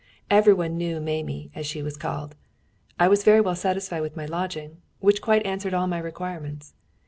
Every one knew "Mámi," as she was called.... I was very well satisfied with my lodging, which quite answered all my requirements.